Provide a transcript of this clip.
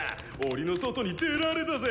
檻の外に出られたぜ！